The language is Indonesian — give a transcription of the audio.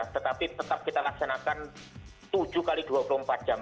tetapi tetap kita laksanakan tujuh x dua puluh empat jam